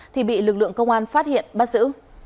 thì bị lực lượng công an phát hiện bắt giữ